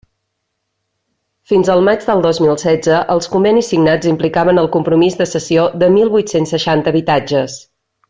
Fins al maig del dos mil setze, els convenis signats implicaven el compromís de cessió de mil vuit-cents seixanta habitatges.